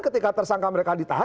ketika tersangka mereka ditahan